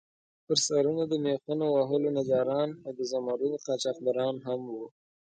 پر سرونو د میخونو وهلو نجاران او د زمُردو قاچاقبران هم وو.